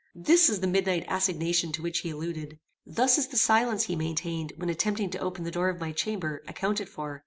This is the midnight assignation to which he alluded. Thus is the silence he maintained when attempting to open the door of my chamber, accounted for.